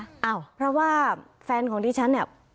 อ้าวเพราะว่าแฟนของดิฉันเนี่ย